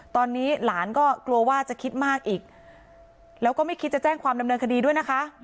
ตอนนี้หลานก็กลัวว่าจะคิดมากอีกแล้วก็ไม่คิดจะแจ้งความดำเนินคดีด้วยนะคะ